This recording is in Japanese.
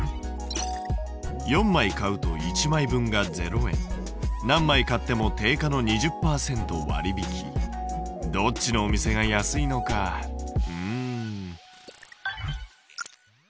４枚買うと１枚分が０円何枚買っても定価の２０％割引どっちのお店が安いのかうん。